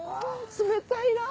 冷たいな。